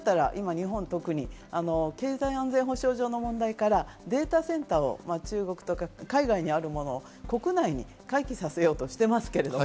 今、特に日本、経済安全保障上の問題からデータセンターを中国とか海外にあるものを国内に回帰させようとしています。